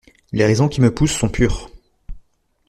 Les raisons qui me poussent sont pures.